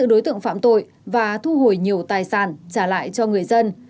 bắt giữ đối tượng phạm tội và thu hồi nhiều tài sản trả lại cho người dân